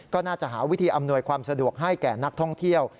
ก็น่าจะหาวิธีอำนวยความสะดวกให้แก่นักท่องเที่ยว